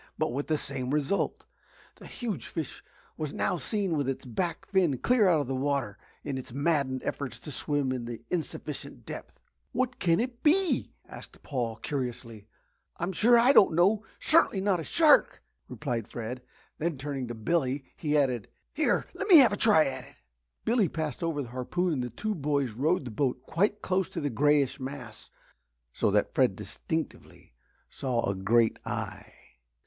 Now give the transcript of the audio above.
But with the same result. The huge fish was now seen with its back fin clear out of water in its maddened efforts to swim in the insufficient depth. "What can it be?" asked Paul, curiously. "I'm sure I don't know certainly not a shark," replied Fred. Then turning to Billy, he added, "Here let me have a try at it." Billy passed over the harpoon and the boys rowed the boat quite close to the greyish mass so that Fred distinctly saw a great eye.